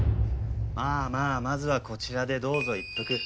まあまあまずはこちらでどうぞ一服。